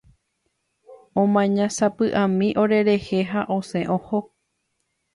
Omañasapyʼami orerehe ha osẽ oho.